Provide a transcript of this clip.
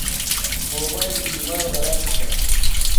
موباݵل استعمال غلط چھا